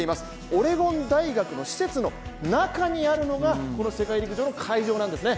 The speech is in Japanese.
オレゴン大学の施設の中にあるのがこの世界陸上の会場なんですね。